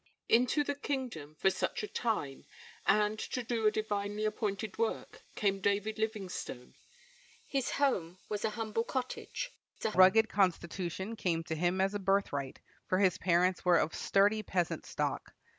Into the kingdom for such a time, and to do a divinely appointed work, came David Livingstone. His home was a humble cottage. A rugged constitution came to him as a birthright, for his parents were of sturdy peasant stock.